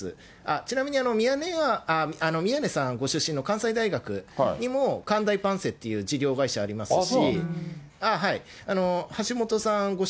ちなみにミヤネ屋、宮根さんご出身の関西大学にも関大ぱんせという事業会社ありますし。